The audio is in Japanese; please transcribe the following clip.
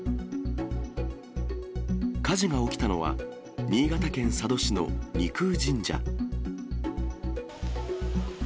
火事が起きたのは新潟県佐渡市の二宮神社。